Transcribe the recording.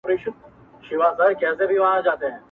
له وختونو مي تر زړه ویني څڅیږي٫